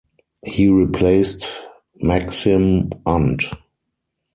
He replaced Maksim Unt.